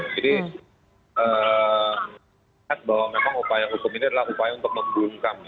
bahwa memang upaya hukum ini adalah upaya untuk membungkam